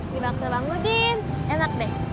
di bakso bang udin enak deh